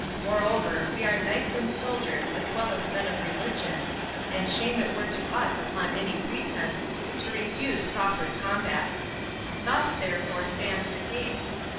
Moreover, we are knights and soldiers as well as men of religion, and shame it were to us upon any pretence, to refuse proffered combat. Thus, therefore, stands the case.